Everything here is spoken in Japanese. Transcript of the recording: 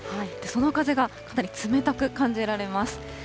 その風がかなり冷たく感じられます。